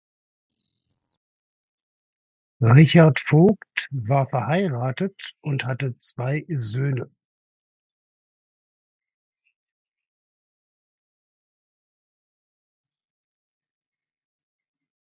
Richard Vogt war verheiratet und hatte zwei Söhne.